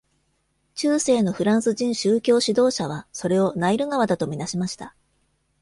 中世のフランス人宗教指導者は、それをナイル川だとみなしました。